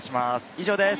以上です。